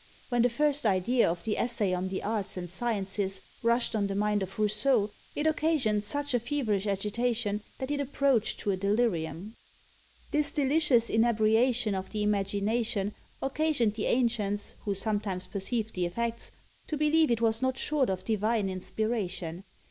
When the first idea of the Essay on the Arts and Sciences rushed on the mind of Rousseau, it occasioned such a feverish agitation that it approached to a delirium. This delicious inebriation of the imagination occasioned the ancients, who sometimes perceived the effects, to believe it was not short of divine inspiration.